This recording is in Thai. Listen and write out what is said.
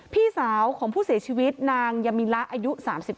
พี่สาวของผู้เสียชีวิตนางยามิละอายุ๓๒